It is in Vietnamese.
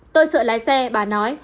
tôi sợ lái xe bà nói